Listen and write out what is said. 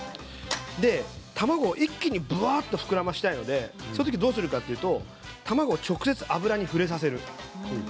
卵を一気にふわっと膨らませたいのでどうするかというと卵を直接、油に触れさせる。